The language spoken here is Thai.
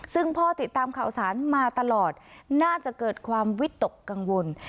ซึ่งพ่อติดตามข่าวสารมาตลอดน่าจะเกิดความวิตกกังวล